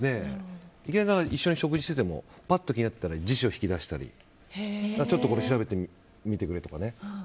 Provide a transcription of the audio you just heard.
一緒に食事しててもパッと気になったら辞書引き出したりちょっと調べてみてくれとかね。